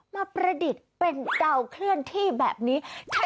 ประดิษฐ์เป็นดาวเคลื่อนที่แบบนี้